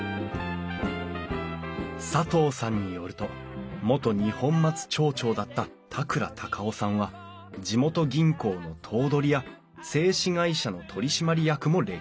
佐藤さんによると元二本松町長だった田倉孝雄さんは地元銀行の頭取や製糸会社の取締役も歴任。